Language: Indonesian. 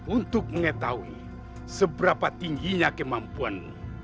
untuk mengetahui seberapa tingginya kemampuan